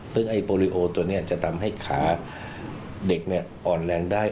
ซึ่งไอ้โปรลิโอตัวนี้จะทำให้ขาเด็กอ่อนแรงได้